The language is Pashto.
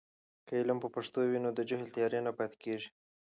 که علم په پښتو وي، نو د جهل تیارې نه پاتې کېږي.